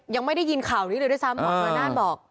ยังไม่ได้ยินข่าวนี้เลยด้วยซ้ำหมอชนระนานบอก